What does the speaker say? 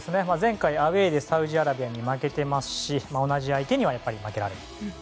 前回、アウェーでサウジアラビアに負けてますし同じ相手には負けられないですね。